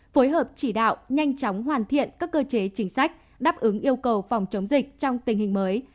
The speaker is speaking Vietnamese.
phối hợp chỉ đạo nhanh chóng hoàn thiện các cơ chế chính sách đáp ứng yêu cầu phòng chống dịch trong tình hình mới